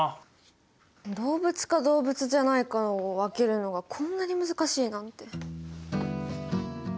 動物か動物じゃないかを分けるのがこんなに難しいなんて。